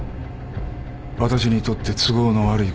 私にとって都合の悪いこととは。